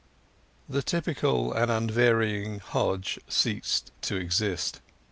The typical and unvarying Hodge ceased to exist.